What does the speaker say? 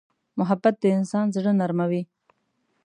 محبت د انسان زړه نرموي.